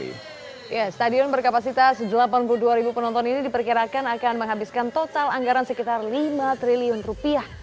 ya stadion berkapasitas delapan puluh dua ribu penonton ini diperkirakan akan menghabiskan total anggaran sekitar lima triliun rupiah